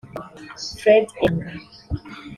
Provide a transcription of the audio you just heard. Fred Enanga